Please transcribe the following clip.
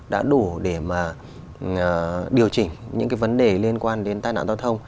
đã đủ để mà điều chỉnh những cái vấn đề liên quan đến tai nạn giao thông